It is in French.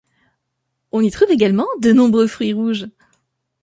On y trouve également de nombreux fruits rouges.